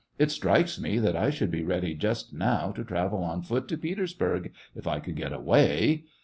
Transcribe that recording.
" It strikes me that I should be ready just now to travel on foot to Petersburg, if I could get away.